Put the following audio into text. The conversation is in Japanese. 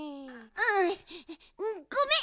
ううん。ごめん！